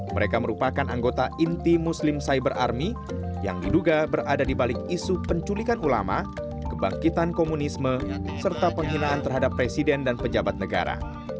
mereka merupakan anggota inti muslim cyber army yang diduga berada di balik isu penculikan ulama kebangkitan komunisme serta penghinaan terhadap presiden dan pejabat negara